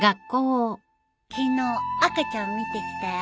昨日赤ちゃん見てきたよ。